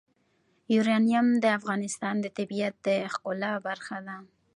یورانیم د افغانستان د طبیعت د ښکلا برخه ده.